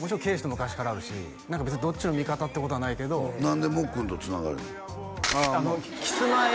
もちろん圭史と昔からあるしどっちの味方ってことはないけど何でもっくんとつながりあのキスマイ